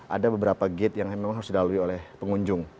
ada beberapa gate yang memang harus dilalui oleh pengunjung